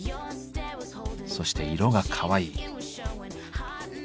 そして色がかわいい。